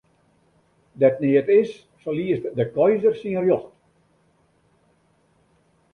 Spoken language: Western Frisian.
Dêr't neat is, ferliest de keizer syn rjocht.